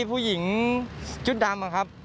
โปรดติดตามต่อไป